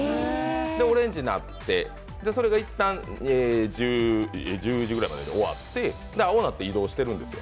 オレンジになって、それが一旦１０時ぐらいまでで終わって青なって移動してるんですよ。